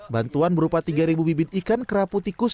bantuan berupa tiga bibit ikan kerapu tikus